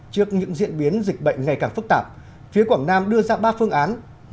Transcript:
trước những diễn biến dịch bệnh ngày càng phức tạp phía quảng nam đưa ra ba phương án